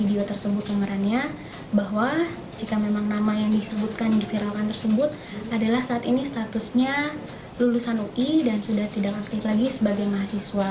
ini statusnya lulusan ui dan sudah tidak aktif lagi sebagai mahasiswa